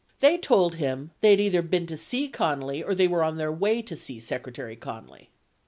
They told him "they had either been to see Connally or they were on their way to see Secretary Connally."